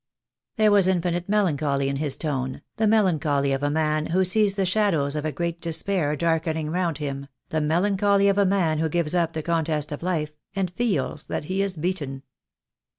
There was infinite melancholy in his tone, the melan choly of a man who sees the shadows of a great despair darkening round him, the melancholy of a man who gives up the contest of life, and feels that he is beaten.